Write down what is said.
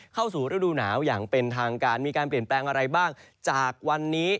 เข้าสู่ฤดูหนาวอย่างเป็นทางการมีการเปลี่ยนแปลงอะไรบ้างจากวันนี้